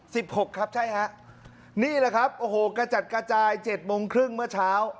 หกครับใช่ฮะนี่แหละครับโอ้โหกระจัดกระจายเจ็ดโมงครึ่งเมื่อเช้า